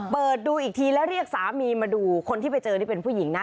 เปิดดูอีกทีแล้วเรียกสามีมาดูคนที่ไปเจอนี่เป็นผู้หญิงนะ